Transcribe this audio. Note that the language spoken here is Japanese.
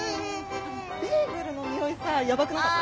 ベーグルの匂いさやばくなかった？